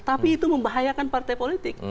tapi itu membahayakan partai politik